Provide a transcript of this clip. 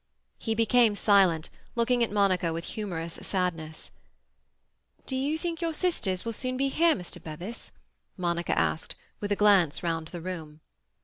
He became silent, looking at Monica with humorous sadness. "Do you think your sisters will soon be here, Mr. Bevis?" Monica asked, with a glance round the room.